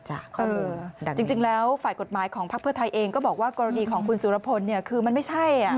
จริงแล้วฝ่ายกฎหมายของภักดิ์เพื่อไทยเองก็บอกว่ากรณีของคุณสุรพลคือมันไม่ใช่